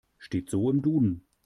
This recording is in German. Steht so im Duden.